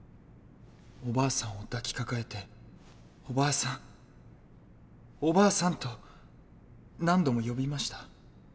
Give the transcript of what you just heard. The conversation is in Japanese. おばあさんを抱きかかえて「おばあさんおばあさん！」と何度も呼びました。